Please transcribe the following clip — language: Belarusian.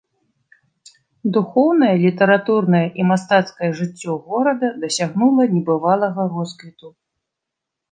Духоўнае, літаратурнае і мастацкае жыццё горада дасягнула небывалага росквіту.